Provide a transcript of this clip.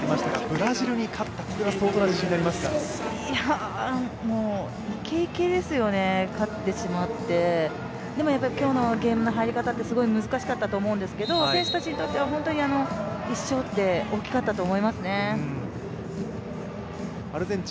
ブラジルに勝ってしまって、でも、今日のゲームの入り方難しかったとは思うんですけど選手たちにとっては１勝って大きかったと思いますね。